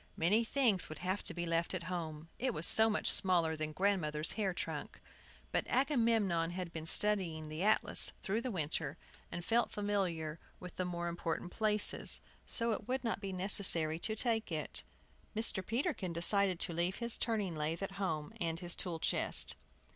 Many things would have to be left at home, it was so much smaller than the grandmother's hair trunk. But Agamemnon had been studying the atlas through the winter, and felt familiar with the more important places, so it would not be necessary to take it. And Mr. Peterkin decided to leave his turning lathe at home, and his tool chest.